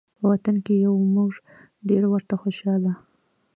په وطن کې یو موږ ډېر ورته خوشحاله